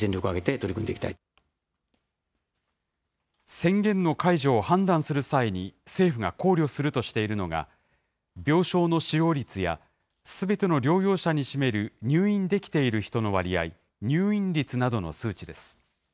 宣言の解除を判断する際に政府が考慮するとしているのが、病床の使用率やすべての療養者に占める入院できている人の割合、入院率などの数値です。